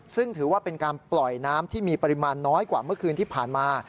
ซึ่งถือว่าเป็นการปล่อยน้ำที่มีปริมาณน้อยกว่าเมื่อคืนที่ผ่านมา